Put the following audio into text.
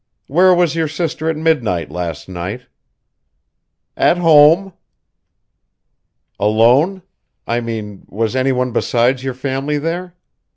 "Where was your sister at midnight last night?" "At home." "Alone? I mean was any one besides your family there?"